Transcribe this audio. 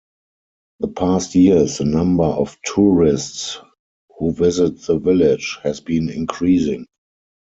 The past years the number of tourists who visit the village has been increasing.